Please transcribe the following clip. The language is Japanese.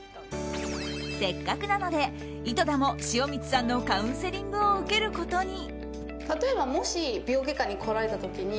せっかくなので、井戸田も塩満さんのカウンセリングを受けることに。